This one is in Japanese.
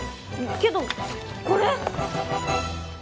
けどこれ。